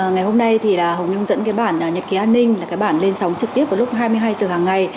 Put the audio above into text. ngày hôm nay thì hồng nhân dẫn cái bản nhật ký an ninh là cái bản lên sóng trực tiếp vào lúc hai mươi hai h hàng ngày